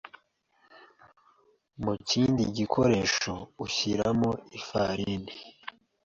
Mu kindi gikoresho ushyiramo ifarini